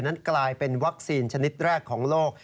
นั้นกลายเป็นวัคซีนชนิดแรกของโลก